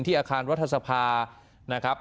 อาคารรัฐสภานะครับ